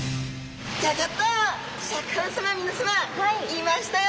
シャーク香音さま皆さまいましたよ